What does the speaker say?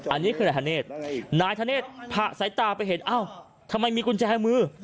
อันนี้คือนายธเนธนายธเนธผ่าสายตาไปเห็นเอ้าทำไมมีกุญแจมือ